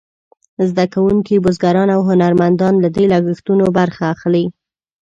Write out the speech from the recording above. زده کوونکي، بزګران او هنرمندان له دې لګښتونو برخه اخلي.